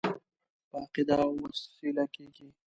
په عقیده او وسیله کېږي.